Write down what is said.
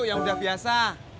yang udah biasa